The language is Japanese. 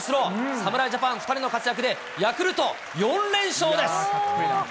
侍ジャパン２人の活躍で、ヤクルト４連勝です。